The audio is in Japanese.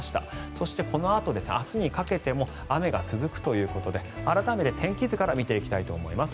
そして、このあと明日にかけても雨が続くということで改めて天気図から見ていきたいと思います。